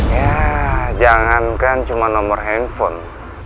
ya jangankan cuma nomor handphone